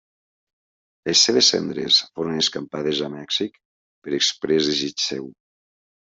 Les seves cendres foren escampades a Mèxic per exprés desig seu.